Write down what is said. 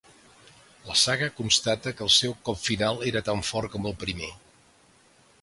La saga constata que el seu cop final era tan fort com el primer.